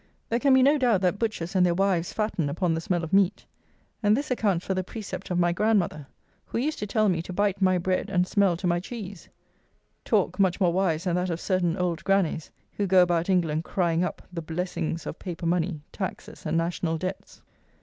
There can be no doubt that Butchers and their wives fatten upon the smell of meat. And this accounts for the precept of my grandmother, who used to tell me to bite my bread and smell to my cheese; talk, much more wise than that of certain old grannies, who go about England crying up "the blessings" of paper money, taxes, and national debts.